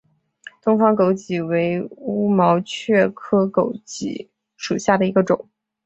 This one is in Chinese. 东方狗脊为乌毛蕨科狗脊属下的一个种。